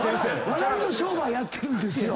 笑いの商売やってるんですよ。